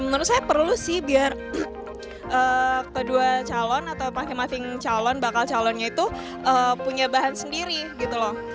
menurut saya perlu sih biar kedua calon atau masing masing calon bakal calonnya itu punya bahan sendiri gitu loh